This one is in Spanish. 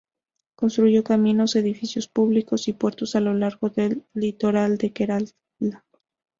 Construyó caminos, edificios públicos, y puertos a lo largo del litoral de Kerala.